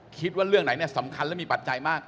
คิดว่าเรื่องไหนเนี่ยสำคัญและมีปัจจัยมาก